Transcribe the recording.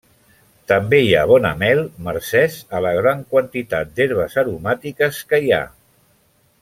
També hi ha bona mel mercés a la gran quantitat d'herbes aromàtiques que hi ha.